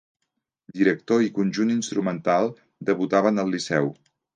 Director i conjunt instrumental debutaven al Liceu.